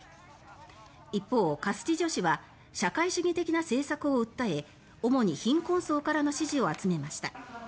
一方、カスティジョ氏は社会主義的な政策を訴え主に貧困層からの支持を集めました。